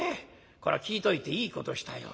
こら聞いといていいことしたよ。